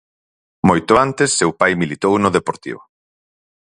Moito antes seu pai militou no Deportivo.